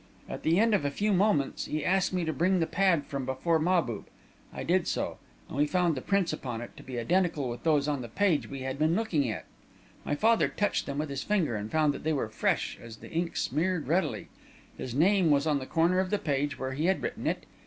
At the end of a few moments, he asked me to bring the pad from before Mahbub. I did so, and we found the prints upon it to be identical with those on the page we had been looking at. My father touched them with his finger and found that they were fresh, as the ink smeared readily. His name was on the corner of the page, where he had written it.